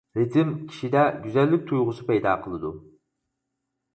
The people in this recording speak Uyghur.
رىتىم كىشىدە گۈزەللىك تۇيغۇسى پەيدا قىلىدۇ.